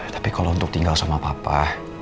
tapi kalau untuk tinggal sama papa